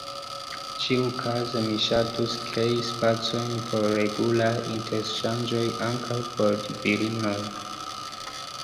Ĉiukaze mi ŝatus krei spacojn por regulaj interŝanĝoj ankaŭ por virinoj.